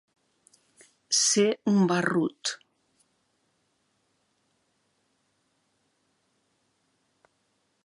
Ser un barrut.